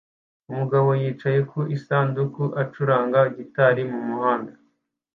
Umugabo yicaye ku isanduku acuranga gitari mu muhanda